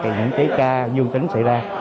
những chế ca dương tính xảy ra